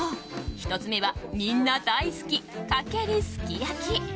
１つ目は、みんな大好きかけるすき焼。